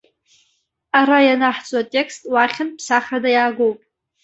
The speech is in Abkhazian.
Ара ианаҳҵо атекст уахьынтә ԥсахрада иаагоуп.